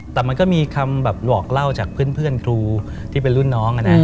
แต่มันก็มีคำแบบหลอกเล่าจากเพื่อนครูที่เป็นรุ่นน้อง